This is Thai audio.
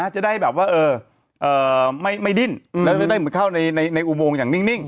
จะได้แบบว่าไม่ดิ้นแล้วจะได้เหมือนเข้าในอุโมงอย่างนิ่ง